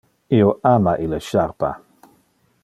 Io ama ille charpa.